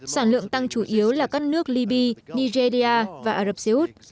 sản lượng tăng chủ yếu là các nước libya nigeria và ả rập xê út